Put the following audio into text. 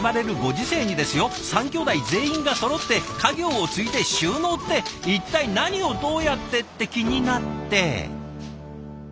３兄弟全員がそろって家業を継いで就農って一体何をどうやって！？って気になって。